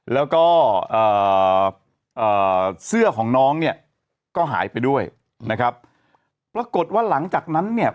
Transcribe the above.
แล้วก็เอ่อเสื้อของน้องเนี่ยก็หายไปด้วยนะครับปรากฏว่าหลังจากนั้นเนี่ย